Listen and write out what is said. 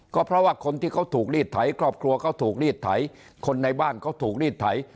ก็เพราะว่าคนที่เขาถูกรีดไถครอบครัวเขาถูกรีดไถคนในบ้านเขาถูกรีดไถ